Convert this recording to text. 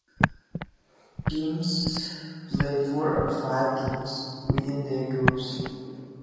Teams play four or five games within their group.